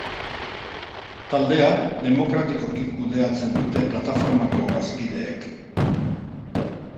Taldea demokratikoki kudeatzen dute plataformako bazkideek.